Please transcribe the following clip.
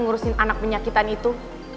ngurusin anak penyakitan itu